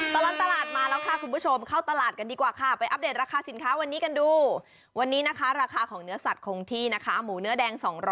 ตลอดตลาดมาแล้วค่ะคุณผู้ชมเข้าตลาดกันดีกว่าค่ะไปอัปเดตราคาสินค้าวันนี้กันดูวันนี้นะคะราคาของเนื้อสัตวคงที่นะคะหมูเนื้อแดง๒๐๐